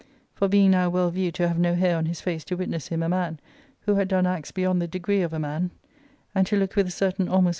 For, being now well viewed to have no p i«i<^ hair on his face to witness him a man, who had done acts beyond the degree of a man, and to look with a certain dXmosXr)